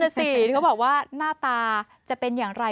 เขาบอกว่าหน้าตาจะเป็นอย่างไร